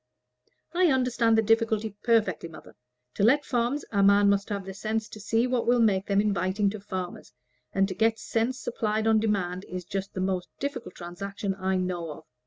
"I understand the difficulty perfectly, mother. To let farms, a man must have the sense to see what will make them inviting to farmers, and to get sense supplied on demand is just the most difficult transaction I know of.